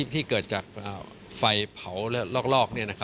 ที่เกิดจากไฟเผาและลอก